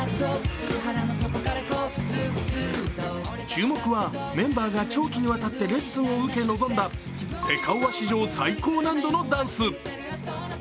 注目はメンバーが長期にわたってレッスンを受け臨んだセカオワ史上最高難度のダンス。